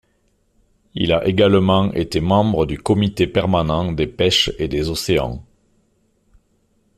Il a également été membre du Comité permanent des pêches et des océans.